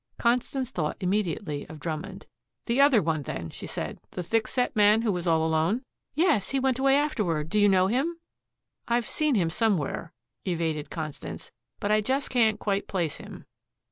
Constance thought immediately of Drummond. "The other one, then," she said, "the thick set man who was all alone!" "Yes; he went away afterward. Do you know him?" "I've seen him somewhere," evaded Constance; "but I just can't quite place him."